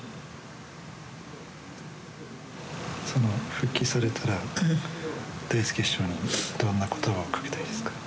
復帰されたら大助師匠にどんな言葉を掛けたいですか？